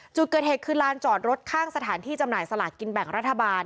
จุดเกิดเหตุคือลานจอดรถข้างสถานที่จำหน่ายสลากกินแบ่งรัฐบาล